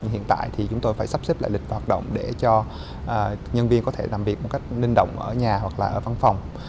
hiện tại thì chúng tôi phải sắp xếp lại lịch hoạt động để cho nhân viên có thể làm việc một cách ninh động ở nhà hoặc là ở văn phòng